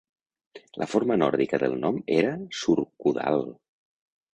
La forma nòrdica del nom era "Surkudalr".